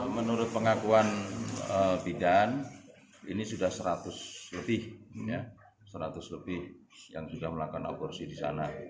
menurut pengakuan bidan ini sudah seratus lebih seratus lebih yang sudah melakukan aborsi di sana